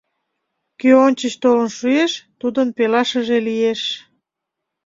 Кӧ ончыч толын шуэш — тудын пелашыже лиеш.